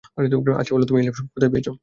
আচ্ছা বলো, তুমি এই লিপস্টিক কোথায় পেয়েছো?